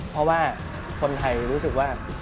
เพราะว่าคนไทยรู้สึกว่า